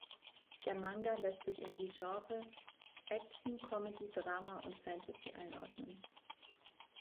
Der Manga lässt sich in die Genre Action, Comedy, Drama und Fantasy einordnen.